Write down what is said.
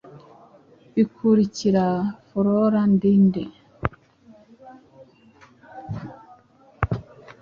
bikurikira. Fora ndi nde?